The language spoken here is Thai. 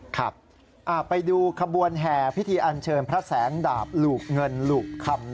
ครับไปดูขบวนแห่พิธีอันเชิญพระแสงดาบหลูบเงินหลูบคำ